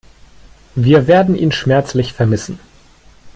Wir werden ihn schmerzlich vermissen.